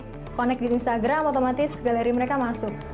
kita connect di instagram otomatis galeri mereka masuk